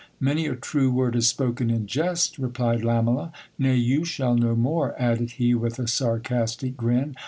Many a true word is spoken in jest, replied Lamela. Nay, you shall know more, added he with a sarcastic grin.